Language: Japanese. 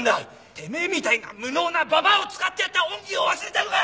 てめえみたいな無能なババアを使ってやった恩義を忘れたのか！